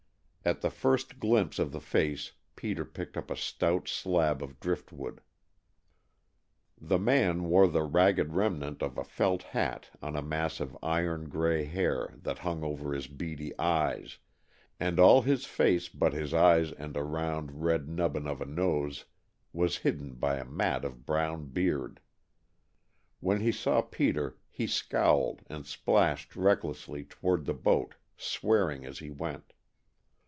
At the first glimpse of the face Peter picked up a stout slab of driftwood. The man wore the ragged remnant of a felt hat on a mass of iron gray hair that hung over his beady eyes, and all his face but his eyes and a round red nubbin of a nose was hidden by a mat of brown beard. When he saw Peter he scowled and splashed recklessly toward the boat, swearing as he went.